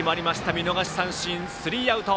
見逃し三振、スリーアウト。